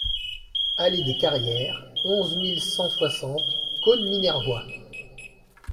Allée des Carrières, onze mille cent soixante Caunes-Minervois